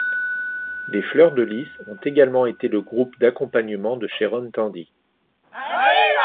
Les Fleur de Lys ont également été le groupe d'accompagnement de Sharon Tandy.